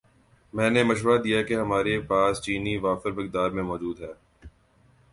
میں نے مشورہ دیا کہ ہماری پاس چینی وافر مقدار میں موجود ہے